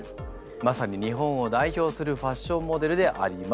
まさに日本を代表するファッションモデルであります。